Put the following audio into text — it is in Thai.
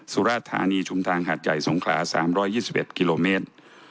สุราธานีชุมทางหาดใหญ่สงขลา๓๒๑กิโลเมตร